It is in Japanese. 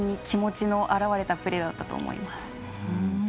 気持ちの表れたプレーだったと思います。